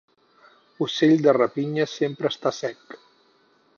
Ocell de rapinya sempre està sec.